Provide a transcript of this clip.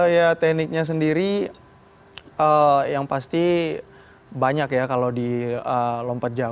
ya tekniknya sendiri yang pasti banyak ya kalau di lompat jauh